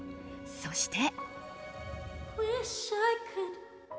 そして。